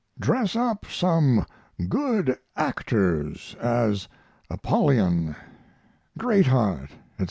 Dress up some good actors as Apollyon, Greatheart, etc.